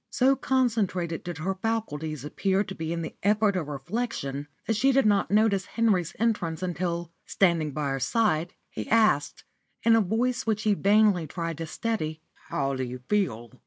So concentrated did her faculties appear to be in the effort of reflection that she did not notice Henry's entrance until, standing by her aide, he asked, in a voice which he vainly tried to steady "How do you feel